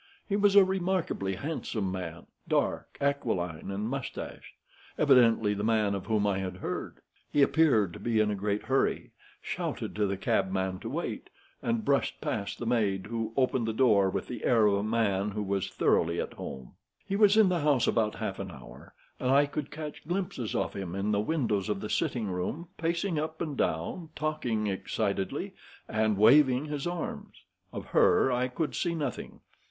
He was a remarkably handsome man, dark, aquiline, and mustached—evidently the man of whom I had heard. He appeared to be in a great hurry, shouted to the cabman to wait, and brushed past the maid who opened the door, with the air of a man who was thoroughly at home. "He was in the house about half an hour, and I could catch glimpses of him in the windows of the sitting room, pacing up and down, talking excitedly and waving his arms. Of her I could see nothing.